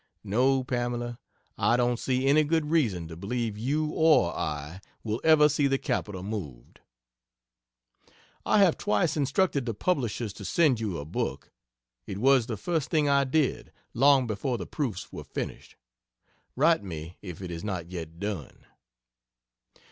No, Pamela, I don't see any good reason to believe you or I will ever see the capital moved. I have twice instructed the publishers to send you a book it was the first thing I did long before the proofs were finished. Write me if it is not yet done.